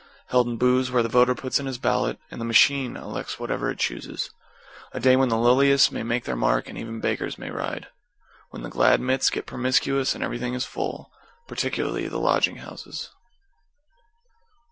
Held in booths, where the Voter puts in his ballot, and The Machine elects whatever it chooses. A day when the lowliest may make their mark and even beggars may ride; when the Glad Mit gets promiscuous and everything is full particularly the lodging houses.